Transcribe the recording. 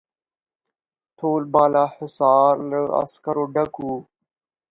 ټول بالاحصار له عسکرو ډک وو.